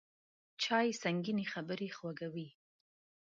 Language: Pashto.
چای د سنګینې خبرې خوږوي